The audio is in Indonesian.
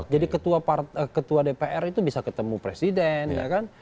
jadi ketua dpr itu bisa ketemu presiden